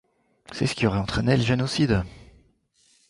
C'est ce qui aurait entraîné le génocide.